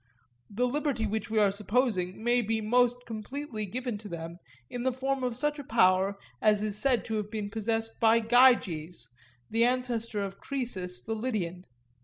The liberty which we are supposing may be most completely given to them in the form of such a power as is said to have been possessed by Gyges, the ancestor of Croesus the Lydian.